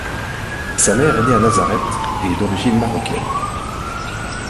Sa mère est née à Nazareth et est d'origine marocaine.